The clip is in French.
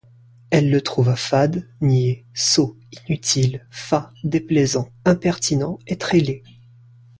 Elle le trouva fade, niais, sot, inutile, fat, déplaisant, impertinent, et très laid.